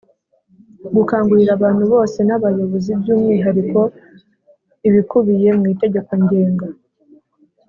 gukangurira abantu bose n abayobozi by umwihariko ibikubiye mu itegeko ngenga